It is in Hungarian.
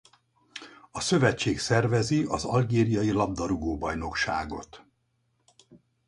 A szövetség szervezi az Algériai labdarúgó-bajnokságot.